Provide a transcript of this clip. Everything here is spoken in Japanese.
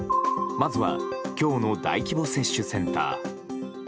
まずは今日の大規模接種センター。